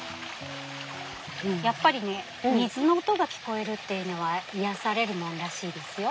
やっぱりね水の音が聞こえるっていうのは癒やされるものらしいですよ。